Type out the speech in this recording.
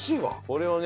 これをね